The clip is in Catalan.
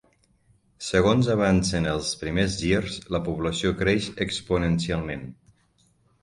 Segons avancen els primers girs, la població creix exponencialment.